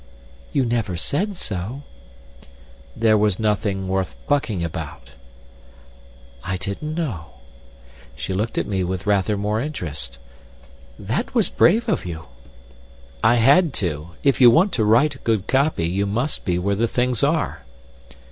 "You never said so." "There was nothing worth bucking about." "I didn't know." She looked at me with rather more interest. "That was brave of you." "I had to. If you want to write good copy, you must be where the things are."